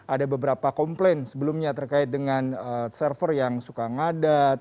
ada beberapa komplain sebelumnya terkait dengan server yang suka ngadat